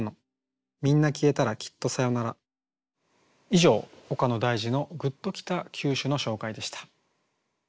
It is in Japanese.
以上「岡野大嗣の“グッときた九首”」の紹介でした。